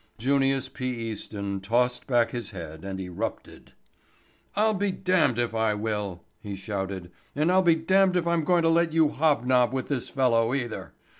Junius P. Easton tossed back his head and erupted. "I'll be damned if I will," he shouted, "and I'll be damned if I'm going to let you hob nob with this fellow either.